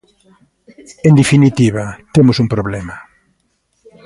En definitiva, temos un problema.